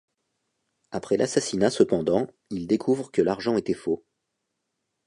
Après l'assassinat cependant, ils découvrent que l'argent était faux.